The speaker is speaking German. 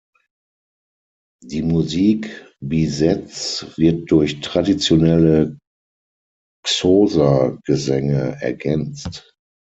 Die Musik Bizets wird durch traditionelle Xhosa-Gesänge ergänzt.